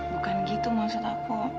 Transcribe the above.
bukan gitu maksud aku